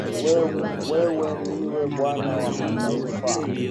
Wewe ndiwe bwana wa mataifa.